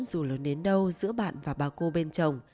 dù lớn đến đâu giữa bạn và bà cô bên chồng